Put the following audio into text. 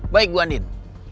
baik bu andin